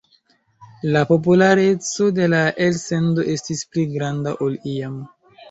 La populareco de la elsendo estis pli granda ol iam.